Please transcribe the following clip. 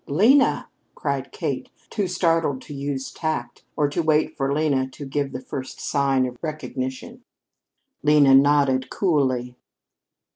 "Lena!" cried Kate, too startled to use tact or to wait for Lena to give the first sign of recognition. Lena nodded coolly.